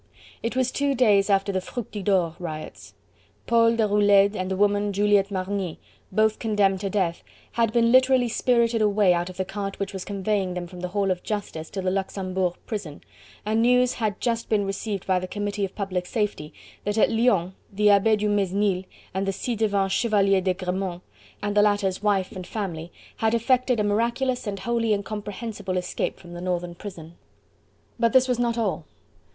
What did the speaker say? It was two days after the Fructidor Riots. Paul Deroulede and the woman Juliette Marny, both condemned to death, had been literally spirited away out of the cart which was conveying them from the Hall of Justice to the Luxembourg Prison, and news had just been received by the Committee of Public Safety that at Lyons, the Abbe du Mesnil, with the ci devant Chevalier d'Egremont and the latter's wife and family, had effected a miraculous and wholly incomprehensible escape from the Northern Prison. But this was not all.